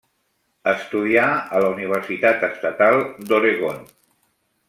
Estudià a la Universitat Estatal d'Oregon.